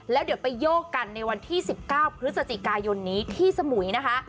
แล้วเดี๋ยวไปโยกกันในวันที่๑๙พฤศจิกายนนี้ที่สมุยนะคะ